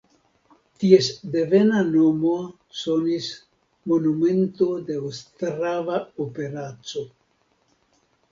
Ties devena nomo sonis Monumento de Ostrava operaco.